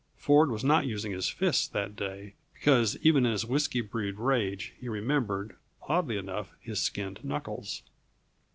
Ford was not using his fists, that day, because even in his whisky brewed rage he remembered, oddly enough, his skinned knuckles.